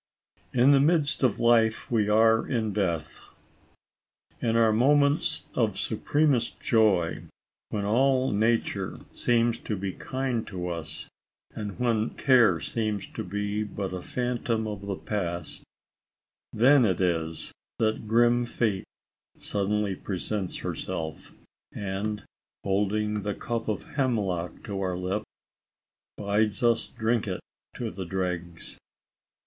" In the midst of life we are in death." In our moments of supremest joy, when all nature seems to be kind to us, and when care seems to be but a phantom of the past, then it is, that grim Fate suddenly presents herself, and, holding the cup of hemlock to our lips, bids us drink it to the dregs.